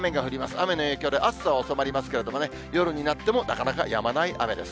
雨の影響で暑さは収まりますけどね、夜になってもなかなかやまない雨です。